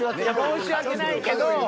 申し訳ないけど。